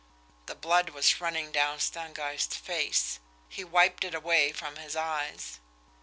The blood was running down Stangeist's face. He wiped it away from his eyes.